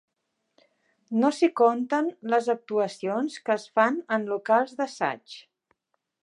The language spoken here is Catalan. No s'hi compten les actuacions que es fan en locals d'assaig.